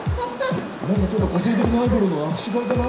何かちょっと個性的なアイドルの握手会かな？